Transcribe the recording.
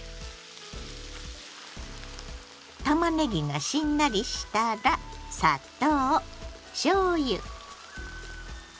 たまねぎがしんなりしたら砂糖しょうゆ酢。